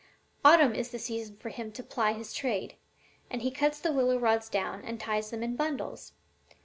Autumn is the season for him to ply his trade, and he cuts the willow rods down and ties them in bundles.